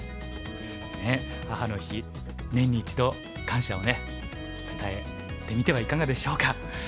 ねえ母の日年に一度感謝を伝えてみてはいかがでしょうか。